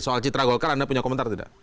soal citra golkar anda punya komentar tidak